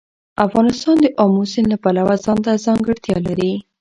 افغانستان د آمو سیند له پلوه ځانته ځانګړتیا لري.